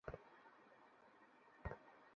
কিছু রোজগারের চিন্তা করো।